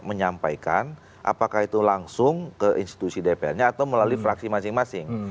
menyampaikan apakah itu langsung ke institusi dpr nya atau melalui fraksi masing masing